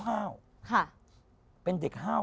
ค่ะเป็นเด็กห้าว